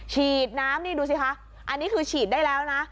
ฉีดน้ำนี่ดูสิคะอันนี้คือฉีดได้แล้วนะ